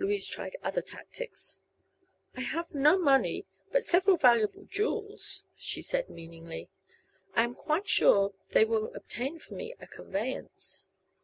Louise tried other tactics. "I have no money, but several valuable jewels," she said, meaningly. "I am quite sure they will obtain for me a conveyance."